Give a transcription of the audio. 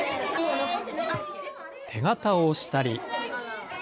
手形を押したり。